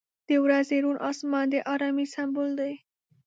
• د ورځې روڼ آسمان د آرامۍ سمبول دی.